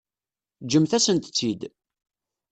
Ǧǧemt-asent-tt-id.